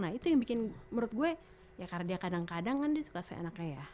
nah itu yang bikin menurut gue ya karena dia kadang kadang kan dia suka anaknya ya